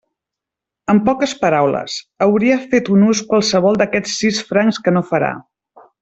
En poques paraules, hauria fet un ús qualsevol d'aquests sis francs que no farà.